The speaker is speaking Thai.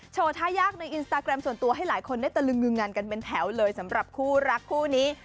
ท่ายากในอินสตาแกรมส่วนตัวให้หลายคนได้ตะลึงงึงงันกันเป็นแถวเลยสำหรับคู่รักคู่นี้